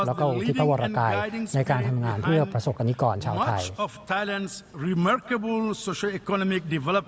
แล้วก็อุทิศพระวรกายในการทำงานเพื่อประสบกรณิกรชาวไทย